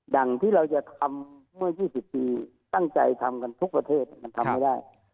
อย่างที่เราจะทำเมื่อ๒๐ปีตั้งใจทำกันทุกประเทศมันทำไม่ได้